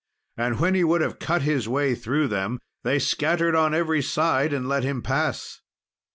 And when he would have cut his way through them, they scattered on every side and let him pass.